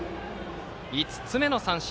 ５つ目の三振。